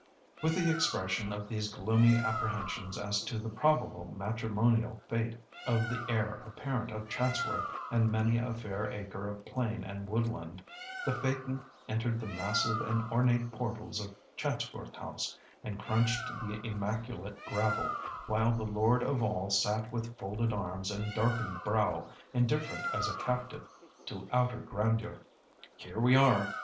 With the expression of these gloomy apprehensions as to the probable matrimonial fate of the heir apparent of Chatsworth and many a fair acre of plain and woodland, the phaeton entered the massive and ornate portals of Chatsworth House, and crunched the immaculate gravel, while the lord of all sat with folded arms and darkened brow, indifferent as a captive to outer grandeur. "Here we are!